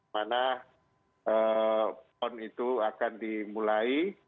mana pon itu akan dimulai